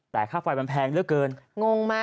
แต่ค่าไฟมันแพงเหลือเกินงงมาก